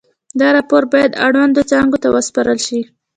دا راپور باید اړونده څانګو ته وسپارل شي.